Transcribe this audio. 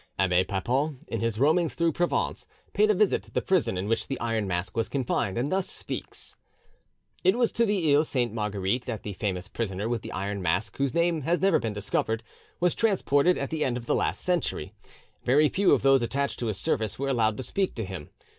Abbe Papon, in his roamings through Provence, paid a visit to the prison in which the Iron Mask was confined, and thus speaks:— "It was to the Iles Sainte Marguerite that the famous prisoner with the iron mask whose name has never been discovered, was transported at the end of the last century; very few of those attached to his service were allowed to speak to him.